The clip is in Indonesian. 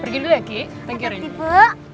pergi lagi tergirinya bu